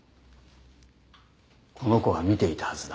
この子が見ていたはずだ。